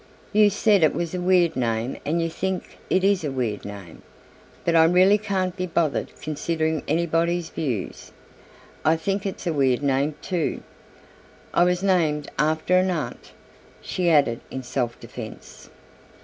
"You said it was a weird name and you think it is a weird name, but I really can't be bothered considering everybody's views. I think it's a weird name, too. I was named after an aunt," she added in self defence.